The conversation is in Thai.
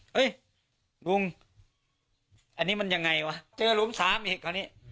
เฮ้ยลุงอันนี้มันยังไงวะเจอหลุมสามอีกคราวนี้